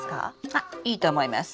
あいいと思います。